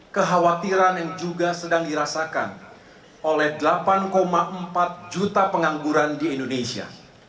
kekhawatiran yang juga sedang dirasakan oleh delapan empat juta pengangguran di indonesia